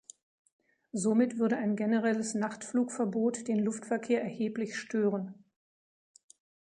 Somit würde ein generelles Nachtflugverbot den Luftverkehr erheblich stören.